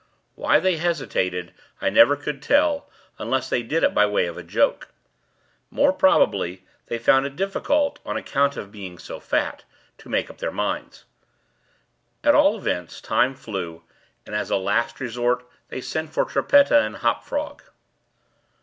Why they hesitated I never could tell, unless they did it by way of a joke. More probably, they found it difficult, on account of being so fat, to make up their minds. At all events, time flew; and, as a last resort they sent for Trippetta and Hop Frog.